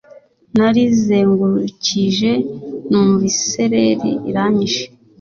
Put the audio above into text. Narizengurukije numva isereri iranyishe